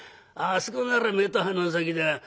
あそこなら目と鼻の先だ。